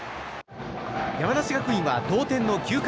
山梨学院は同点の９回。